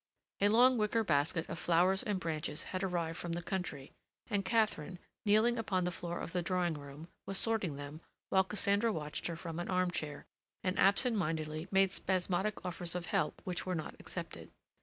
A long wicker basket of flowers and branches had arrived from the country, and Katharine, kneeling upon the floor of the drawing room, was sorting them while Cassandra watched her from an arm chair, and absent mindedly made spasmodic offers of help which were not accepted.